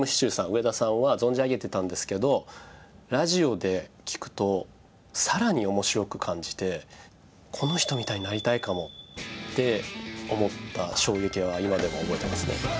上田さんは存じ上げてたんですけどラジオで聴くと更に面白く感じてって思った衝撃は今でも覚えてますね。